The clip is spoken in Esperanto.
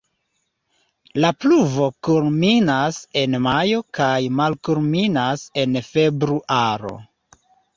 La pluvo kulminas en majo kaj malkulminas en februaro.